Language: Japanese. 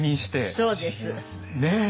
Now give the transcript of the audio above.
そうです。ねえ。